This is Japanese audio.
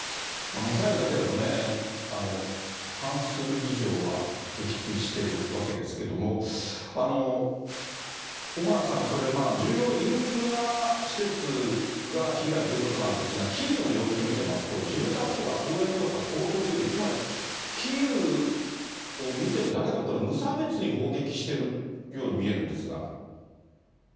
ミサイルだけでもね、半数以上は撃墜してるわけですけども、小原さん、重要インフラ施設が被害ということなんですが、キーウの様子見てますと、住宅とか公園とか高層ビル、つまりキーウを見てるだけでも無差別に砲撃してるように見えるんですが。